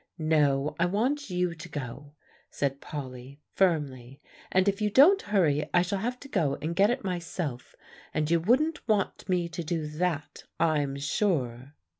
"No, I want you to go," said Polly firmly; "and if you don't hurry, I shall have to go and get it myself, and you wouldn't want me to do that, I'm sure."